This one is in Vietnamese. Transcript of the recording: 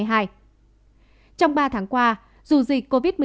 trong ba tháng qua dù dịch covid một mươi chín tiếp tục